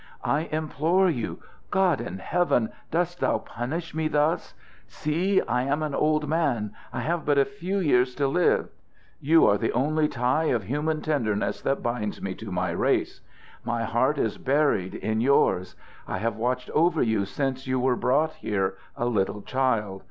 "I implore you! God in heaven, dost thou punish me thus? See! I am an old man. I have but a few years to live. You are the only tie of human tenderness that binds me to my race. My heart is buried in yours. I have watched over you since you were brought here, a little child.